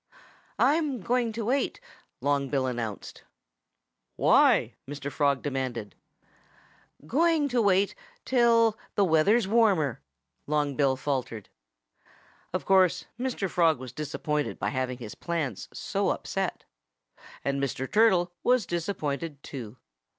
"I'm going to wait " Long Bill announced. "Why?" Mr. Frog demanded. "Going to wait till the weather is warmer," Long Bill faltered. Of course Mr. Frog was disappointed by having his plans so upset. And Mr. Turtle was disappointed too.